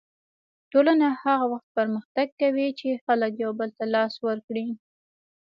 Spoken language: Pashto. ټولنه هغه وخت پرمختګ کوي چې خلک یو بل ته لاس ورکړي.